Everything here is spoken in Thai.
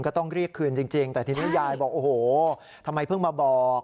ก็ต้องเรียกคืนจริงแต่ทีนี้ยายบอกโอ้โหทำไมเพิ่งมาบอก